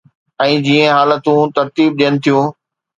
۽ جيئن حالتون ترتيب ڏين ٿيون.